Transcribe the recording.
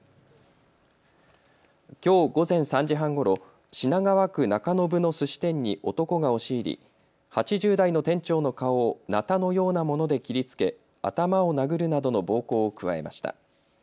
きょう午前３時半ごろ、品川区中延のすし店に男が押し入り８０代の店長の顔をなたのようなもので切りつけ頭を殴るなどの暴行を加えました。